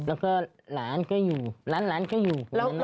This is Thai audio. แล้วก็หลานก็อยู่หลานก็อยู่